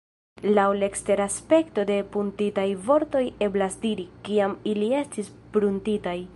Laŭ la ekstera aspekto de pruntitaj vortoj eblas diri, kiam ili estis pruntitaj.